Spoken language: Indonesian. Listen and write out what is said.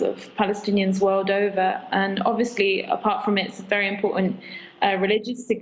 orang palestina di seluruh dunia dan jelas di luar dari itu itu penting untuk